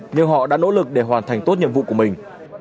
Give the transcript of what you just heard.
nhưng họ đã nỗ lực để hoàn thành tốt nhiệm vụ của mình